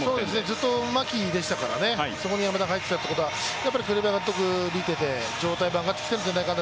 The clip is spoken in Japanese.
ずっと牧でしたからそこに山田が入ってきたということは、栗山監督が見ていて、状態が挙がってきているんじゃないかな。